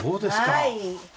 はい。